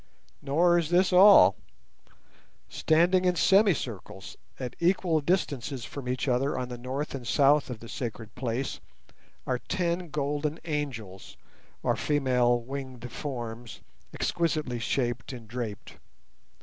Nor is this all. Standing in semicircles at equal distances from each other on the north and south of the sacred place are ten golden angels, or female winged forms, exquisitely shaped and draped.